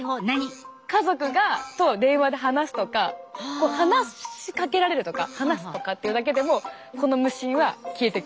家族と電話で話すとか話しかけられるとか話すとかっていうだけでもこの無心は消えてく。